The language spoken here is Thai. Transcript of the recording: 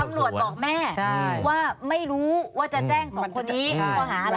บอกแม่ว่าไม่รู้ว่าจะแจ้งสองคนนี้ข้อหาอะไร